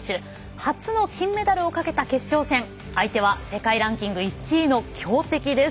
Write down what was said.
初の金メダルをかけた決勝戦相手は世界ランキング１位の強敵です。